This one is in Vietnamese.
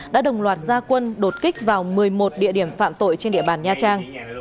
đã đồng loạt gia quân đột kích vào một mươi một địa điểm phạm tội trên địa bàn nha trang